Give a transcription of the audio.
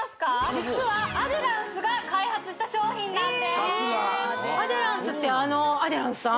実はアデランスが開発した商品なんですアデランスってあのアデランスさん？